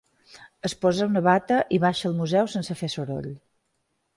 Es posa una bata i baixa al museu sense fer soroll.